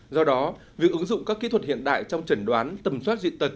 do đó việc ứng dụng các kỹ thuật hiện đại trong trần đoán tầm soát dị tật